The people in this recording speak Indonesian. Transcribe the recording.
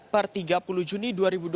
per tiga puluh juni dua ribu dua puluh